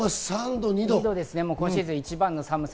今シーズン一番の寒さ。